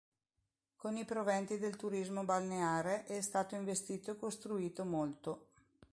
Con i proventi del turismo balneare è stato investito e costruito molto.